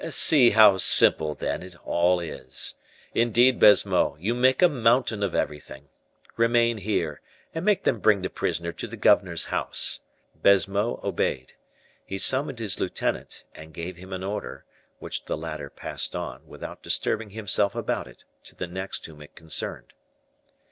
"See how simple, then, all is. Indeed, Baisemeaux, you make a mountain of everything. Remain here, and make them bring the prisoner to the governor's house." Baisemeaux obeyed. He summoned his lieutenant, and gave him an order, which the latter passed on, without disturbing himself about it, to the next whom it concerned.